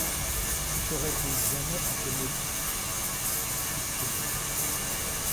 Ne saurai-je donc jamais à quel motif ta fuite est due?